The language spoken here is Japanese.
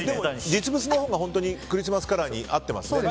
実物のほうがクリスマスカラーに合ってますね。